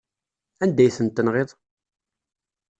Anda ay tent-tenɣiḍ?